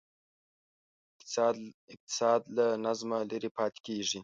اقتصاد له نظمه لرې پاتې کېږي.